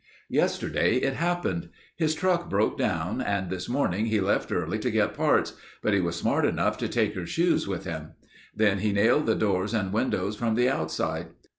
"Yesterday it happened. His truck broke down and this morning he left early to get parts, but he was smart enough to take her shoes with him. Then he nailed the doors and windows from the outside.